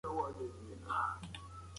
له مختلفو خوړو یوه اندازه تغذیه اړینه ده.